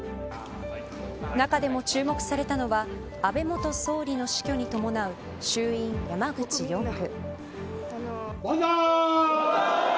中でも注目されたのは安倍元総理の死去に伴う衆院、山口４区。